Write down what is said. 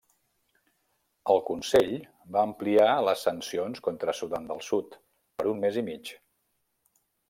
El Consell va ampliar les sancions contra Sudan del Sud per un mes i mig.